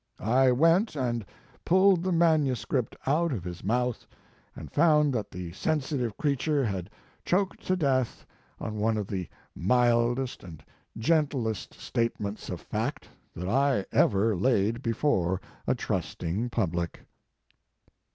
I went and pulled the manuscript out of his mouth, and found that the sensitive creature had choked to death on one of His Life and Work. the mildest and gentlest statements of fact that I ever laid before a trusting public."